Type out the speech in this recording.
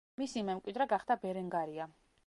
მისი მემკვიდრე გახდა ბერენგარია.